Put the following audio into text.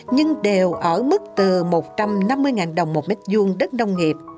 nhưng đều ở mức từ một trăm năm mươi đồng một mét vuông đất nông nghiệp